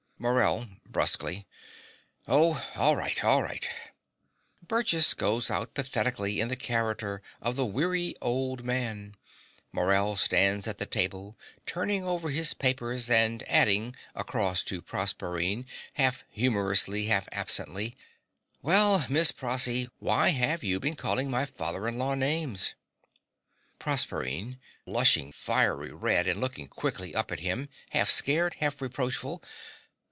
MORELL (brusquely). Oh, all right, all right. (Burgess goes out pathetically in the character of the weary old man. Morell stands at the table, turning over his papers, and adding, across to Proserpine, half humorously, half absently) Well, Miss Prossy, why have you been calling my father in law names? PROSERPINE (blushing fiery red, and looking quickly up at him, half scared, half reproachful).